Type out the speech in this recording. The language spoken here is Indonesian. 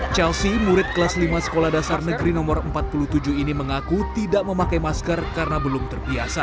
chelsea murid kelas lima sekolah dasar negeri nomor empat puluh tujuh ini mengaku tidak memakai masker karena belum terbiasa